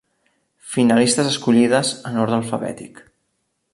Finalistes escollides, en ordre alfabètic.